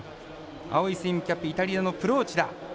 青いスイムキャップイタリアのプローチダ。